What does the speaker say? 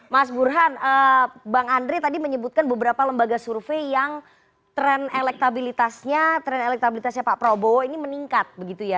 mas burhan bang andre tadi menyebutkan beberapa lembaga survei yang tren elektabilitasnya tren elektabilitasnya pak prabowo ini meningkat begitu ya